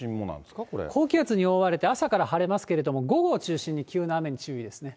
高気圧に覆われて、朝から晴れますけれども、午後を中心に、急な雨に注意ですね。